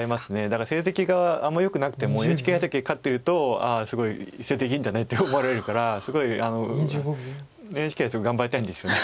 だから成績があんまよくなくてもＮＨＫ杯だけ勝ってるとああすごい成績いいんだねって思われるからすごいＮＨＫ杯はちょっと頑張りたいんですよね。